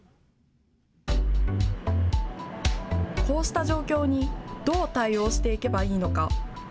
こうした状況にどう対応していけばいいのか。